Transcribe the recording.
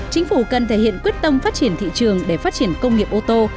chính phủ cần thể hiện quyết tâm phát triển thị trường để phát triển công nghiệp ô tô